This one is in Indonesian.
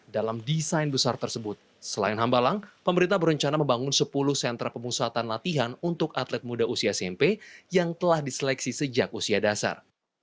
dalam desain besar tersebut selain hambalang pemerintah berencana membangun sepuluh sentra pemusatan latihan untuk atlet muda usia smp yang telah diseleksi sejak usia dasar